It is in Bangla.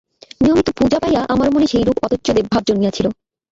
নিয়মিত পূজা পাইয়া আমারও মনে সেইরূপ অত্যুচ্চ দেবভাব জন্মিয়াছিল।